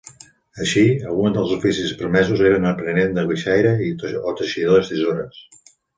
Així, alguns dels oficis permesos eren aprenent de guixaire o teixidor d'estores.